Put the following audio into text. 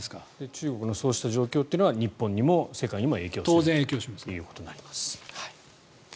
中国のそうした状況というのは日本にも世界にも影響するということになります。